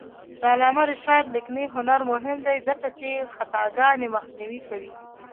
د علامه رشاد لیکنی هنر مهم دی ځکه چې خطاګانې مخنیوی کوي.